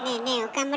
岡村。